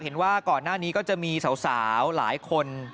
เห็นว่าก่อนหน้านี้ก็จะมีสาวหลายคน